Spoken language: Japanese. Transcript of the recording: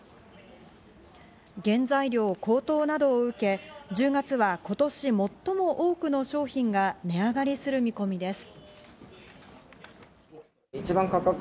原材料高騰など受け、１０月は今年、最も多くの商品が値上がりする見込みです。